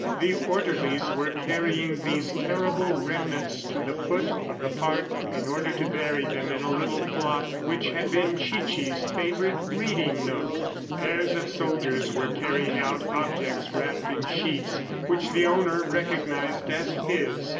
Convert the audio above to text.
The orderlies were carrying these terrible remnants to the foot of the park in order to bury them in a little plot which had been Chichi's favorite reading nook. Pairs of soldiers were carrying out objects wrapped in sheets which the owner recognized as his.